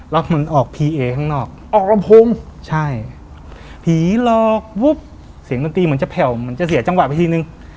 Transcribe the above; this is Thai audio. แล้วเหมือนออกพีเอข้างนอกออกลำโพงใช่ผีหลอกวุบเสียงดนตรีเหมือนจะแผ่วเหมือนจะเสียจังหวะไปทีนึง